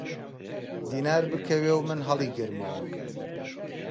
دینار بکەوێ و من هەڵیگرمەوە!